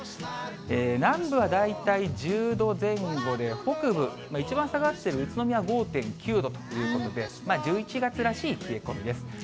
南部は大体１０度前後で、北部、一番下がってる宇都宮５．９度ということで、１１月らしい冷え込みです。